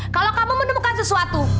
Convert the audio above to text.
kalau kamu menemukan sesuatu